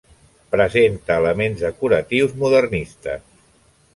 Presenta elements decoratius modernistes.